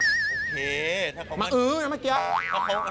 โอเคถ้าเขามาอื้อนะเมื่อกี้